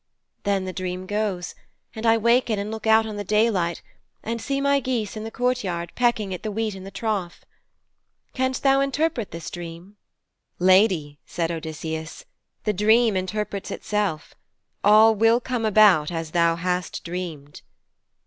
Then the dream goes, and I waken and look out on the daylight and see my geese in the courtyard pecking at the wheat in the trough. Canst thou interpret this dream?' 'Lady,' said Odysseus, 'the dream interprets itself. All will come about as thou hast dreamed.'